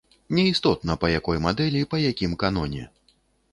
Не істотна, па якой мадэлі, па якім каноне.